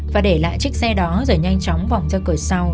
và để lại chiếc xe đó rồi nhanh chóng vòng ra cửa sau